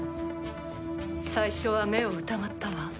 最初は目を疑ったわ。